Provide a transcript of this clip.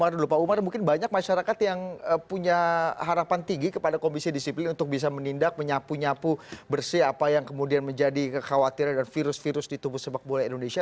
bagaimana dulu pak umar mungkin banyak masyarakat yang punya harapan tinggi kepada komisi disiplin untuk bisa menindak menyapu nyapu bersih apa yang kemudian menjadi kekhawatiran dan virus virus di tubuh sepak bola indonesia